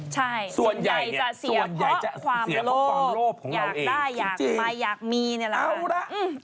ใช่ส่วนใหญ่จะเสียเพราะความโลภอยากได้อยากไปอยากมีเนี่ยแหละเอาล่ะ